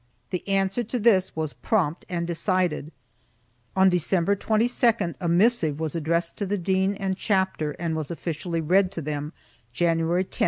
The answer to this was prompt and decided. On December 22d a missive was addressed to the dean and chapter and was officially read to them, January 10, 1391.